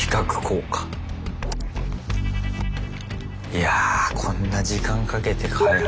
いやこんな時間かけて開発。